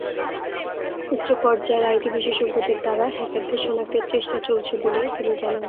উচ্চ পর্যায়ের আইটি বিশেষজ্ঞদের দ্বারা হ্যাকারদের শনাক্তের চেষ্টা চলছে বলেও তিনি জানান।